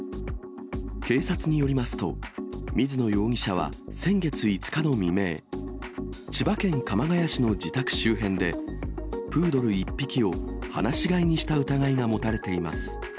警察によりますと、水野容疑者は先月５日の未明、千葉県鎌ケ谷市の自宅周辺で、プードル１匹を放し飼いにした疑いが持たれています。